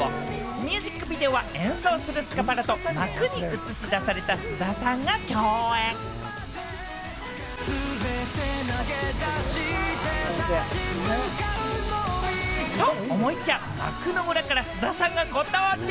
ミュージックビデオは、演奏するスカパラと、幕に映し出された菅田さんが共演。と思いきや、幕の裏から菅田さんが、ご登場！